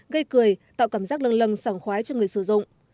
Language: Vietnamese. gây cười tạo cảm giác lâng lâng sảng khoái cho người sử dụng